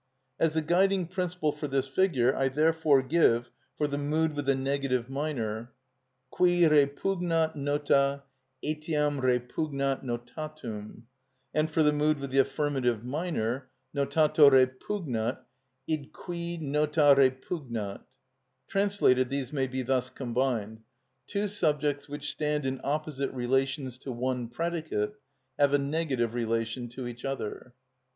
As the guiding principle for this figure I therefore give, for the mood with the negative minor: Cui repugnat nota, etiam repugnat notatum; and for the mood with the affirmative minor: Notato repugnat id cui nota repugnat. Translated these may be thus combined: Two subjects which stand in opposite relations to one predicate have a negative relation to each other.